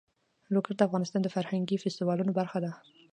لوگر د افغانستان د فرهنګي فستیوالونو برخه ده.